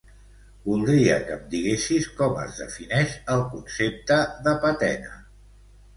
Voldria que em diguessis com es defineix el concepte de patena.